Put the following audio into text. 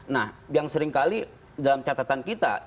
nah yang seringkali dalam catatan kita